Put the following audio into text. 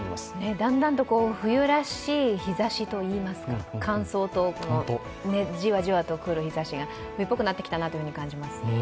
だんだんと冬らしい日ざしといいますか、乾燥とじわじわと来る日ざしが冬っぽくなってきたなと感じます。